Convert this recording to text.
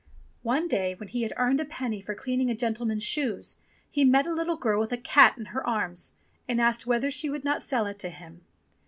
One day when he had earned a penny for cleaning a gentleman's shoes, he met a little girl with a cat in her arms and asked whether she would not sell it to him.